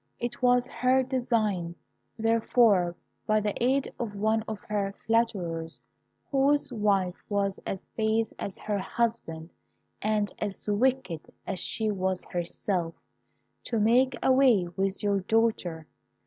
It was her design, therefore, by the aid of one of her flatterers, whose wife was as base as her husband, and as wicked as she was herself, to make away with your daughter.